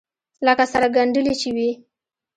لکه سره گنډلې چې وي.